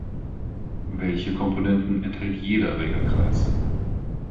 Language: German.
Welche Komponenten enthält jeder Regelkreis?